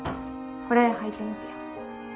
これ履いてみて。